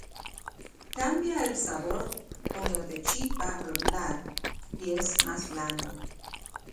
Cambia el sabor con el de la chipa regular y es más blando.